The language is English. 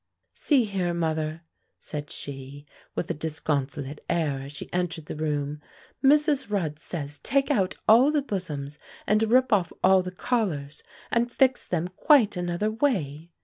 "See here, mother," said she, with a disconsolate air, as she entered the room; "Mrs. Rudd says, take out all the bosoms, and rip off all the collars, and fix them quite another way.